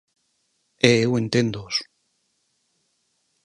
E eu enténdoos.